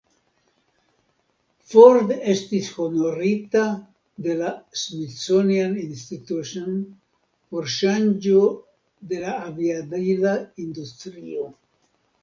Ford estis honorita de la "Smithsonian Institution" pro ŝanĝo de la aviadila industrio.